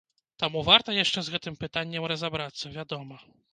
Таму варта яшчэ з гэтым пытаннем разабрацца, вядома.